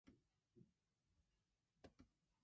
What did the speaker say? How would you get to Edinburgh from here?